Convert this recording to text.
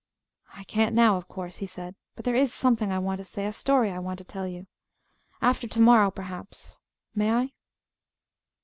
"I can't, now, of course," he said. "But there is something I want to say a story I want to tell you after to morrow, perhaps. May I?"